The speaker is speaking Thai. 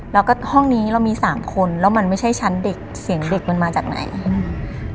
แล้วก็ห้องนี้เรามีสามคนแล้วมันไม่ใช่ชั้นเด็กเสียงเด็กมันมาจากไหนอืม